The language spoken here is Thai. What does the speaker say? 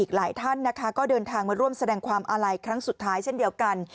หลายท่านนะคะก็เดินทางมาร่วมแสดงความอาลัยครั้งสุดท้ายเช่นเดียวกัน